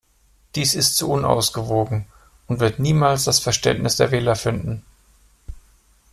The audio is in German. Dies ist zu unausgewogen und wird niemals das Verständnis der Wähler finden.